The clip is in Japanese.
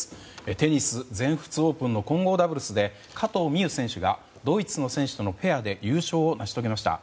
テニス全仏オープンの混合ダブルスで加藤未唯選手がドイツの選手とのペアで優勝を成し遂げました。